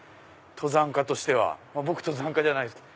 登山家としては僕登山家じゃないですけど。